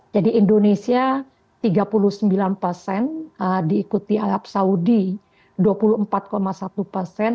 jadi indonesia tiga puluh sembilan persen diikuti arab saudi dua puluh empat satu persen